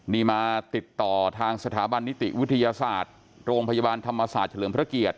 นี่มาติดต่อทางสถาบันนิติวิทยาศาสตร์โรงพยาบาลธรรมศาสตร์เฉลิมพระเกียรติ